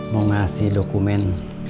mau ngasih dokumen